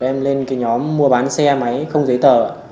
em lên cái nhóm mua bán xe máy không giấy tờ